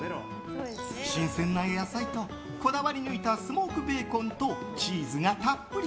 新鮮な野菜と、こだわり抜いたスモークベーコンとチーズがたっぷり。